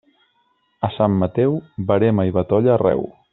A Sant Mateu, verema i batolla arreu.